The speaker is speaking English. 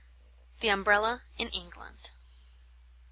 THE UMBRELLA IN ENGLAND.